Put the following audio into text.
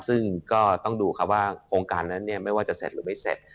ซึ่งก็ต้องดูครับว่าโครงการนั้นไม่ว่าจะเสร็จหรือไม่เสร็จ